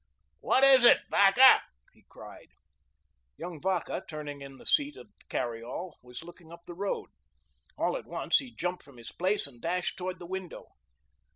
"What is it, Vacca?" he cried. Young Vacca, turning in his seat in the carryall, was looking up the road. All at once, he jumped from his place, and dashed towards the window.